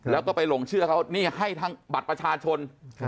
แล้วก็ไปหลงเชื่อเขานี่ให้ทั้งบัตรประชาชน